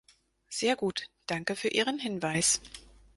Sehr gut, danke für Ihren Hinweis.